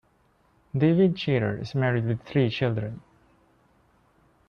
David Chaytor is married with three children.